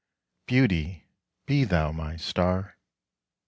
Beauty, be thou my star!